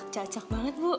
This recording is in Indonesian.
cocok banget bu